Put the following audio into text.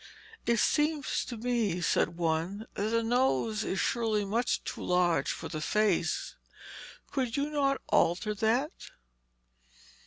'It seems to me,' said one, 'that the nose is surely much too large for the face. Could you not alter that?'